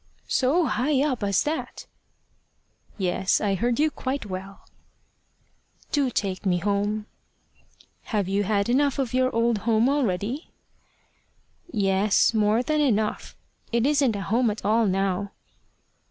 "So high up as that?" "Yes; I heard you quite well." "Do take me home." "Have you had enough of your old home already?" "Yes, more than enough. It isn't a home at all now."